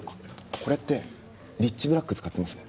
これってリッチブラック使ってます？